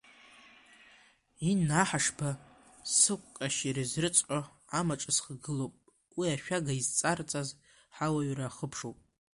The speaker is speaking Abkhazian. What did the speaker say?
Инна Аҳашба сықә ҟьашьыр, изрыцқьо амаҿа схагылоуп, уи ашәага изҵарҵаз ҳауаҩра ахыԥшоуп.